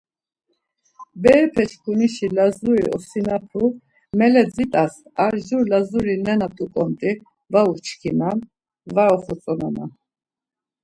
Berepeçkunişi Lazuri osinapu mele dzit̆as, ar jur Lazuri nena t̆uǩonti var uçkinan, var oxotzonaman.